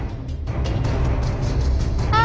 あ！